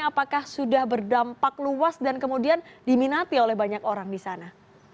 apakah sudah berdampak luas dan kemudian diminati oleh banyak orang di sana